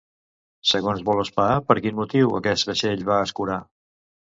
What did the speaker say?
Segons Vǫlospá, per quin motiu aquest vaixell va escorar?